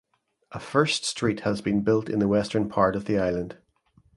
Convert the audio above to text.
A first street has been built in the western part of the island.